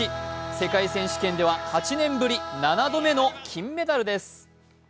世界選手権では８年ぶり７度目の金メダルです。